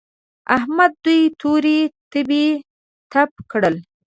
احمد دوی تورې تبې تپ کړل.